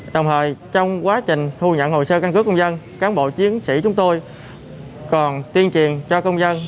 đồng thời trong quá trình thu nhận hồ sơ căn cứ công dân cán bộ chiến sĩ chúng tôi còn tuyên truyền cho công dân